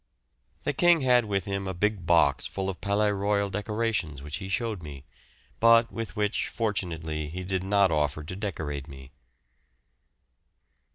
The King had with him a big box full of Palais Royal decorations which he showed me, but with which, fortunately, he did not offer to decorate me.